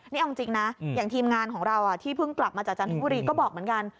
นี่เอาจริงนะอย่างทีมงานของเราที่เพิ่งกลับมาจากจันทบุรีก็บอกเหมือนกัน